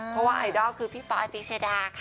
เพราะว่าไอดอลคือพี่ปอยติชดาค่ะ